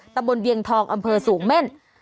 ตำบลเวียงทองอำเภอสูงเม่น